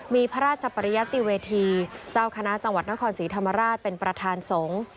มีพระราชปริยติเวทีเจ้าคณะจังหวัดนครศรีธรรมราชเป็นประธานสงฆ์